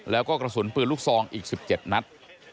แล้วก็กระสุนปืนลูกซองอีก๑๗นัด